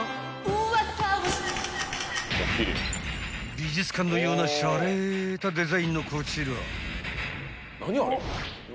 ［美術館のようなシャレたデザインのこちら］